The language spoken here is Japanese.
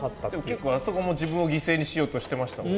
結構あそこも自分を犠牲にしようとしてましたもんね。